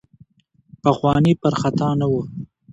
پخواني پر خطا نه وو.